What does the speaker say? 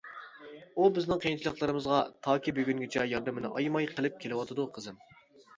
ئۇ بىزنىڭ قىيىنچىلىقلىرىمىزغا تاكى بۈگۈنگىچە ياردىمىنى ئايىماي قىلىپ كېلىۋاتىدۇ قىزىم.